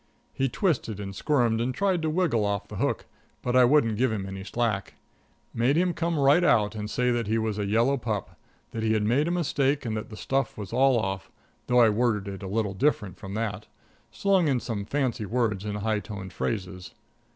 He twisted and squirmed and tried to wiggle off the hook, but I wouldn't give him any slack. Made him come right out and say that he was a yellow pup; that he had made a mistake; and that the stuff was all off, though I worded it a little different from that. Slung in some fancy words and high toned phrases.